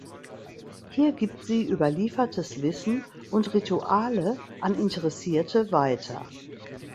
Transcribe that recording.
Hier gibt sie überliefertes Wissen und Rituale an Interessierte weiter.